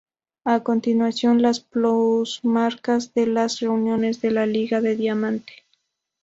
A continuación las plusmarcas de las reuniones de la Liga de Diamante.